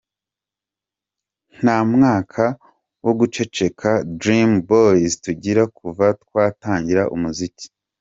Nta mwaka wo guceceka Dream Boyz tugira kuva twatangira umuziki.